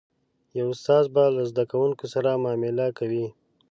یو استاد به له زده کوونکو سره معامله کوي.